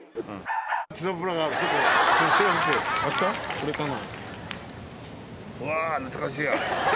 これかな？